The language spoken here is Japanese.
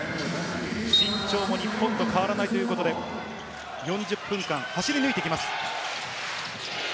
身長も日本と変わらないということで、４０分間、走り抜いてきます。